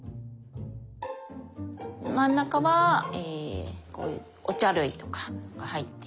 真ん中はこういうお茶類とかが入っていて。